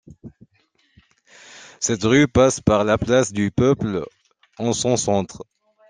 Cette rue passe par la place du Peuple en son centre.